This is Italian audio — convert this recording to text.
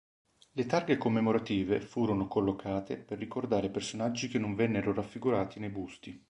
Le targhe commemorative furono collocate per ricordare personaggi che non vennero raffigurati nei busti.